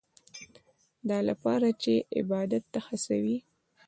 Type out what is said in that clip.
دا لپاره چې عبادت ته هڅوي.